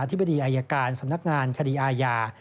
ธิบดีอายการสำนักงานคดีอาญา